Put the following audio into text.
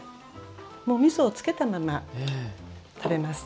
もうみそを付けたまま食べます。